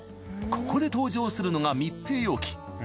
ここで登場するのが密閉容器。